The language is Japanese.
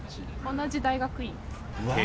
同じ大学院です。